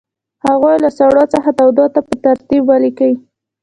هغوی له سړو څخه تودو ته په ترتیب ولیکئ.